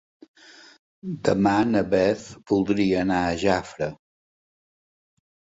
Demà na Beth voldria anar a Jafre.